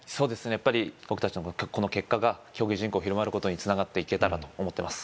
やっぱり僕たちのこの結果が競技人口広まることにつながっていけたらと思ってます